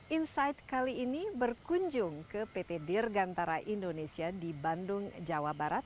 insight kali ini berkunjung ke pt dirgantara indonesia di bandung jawa barat